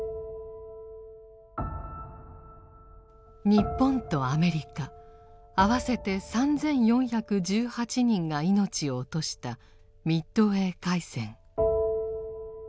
日本とアメリカあわせて３４１８人が命を落としたミッドウェー海戦。